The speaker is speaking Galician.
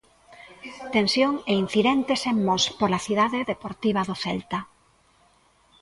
Tensión e incidentes en Mos pola Cidade Deportiva do Celta.